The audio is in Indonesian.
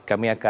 baik kami akan